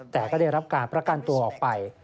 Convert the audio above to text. แต่ก็ได้รับการประกันตัวออกไป